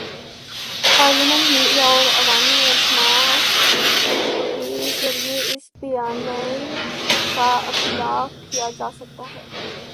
Parliament, media اور عوامی اجتماعات کے ذریعے اس بیانیے کا ابلاغ کیا جا سکتا ہے۔